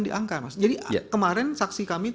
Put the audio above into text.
di angka mas jadi kemarin saksi kami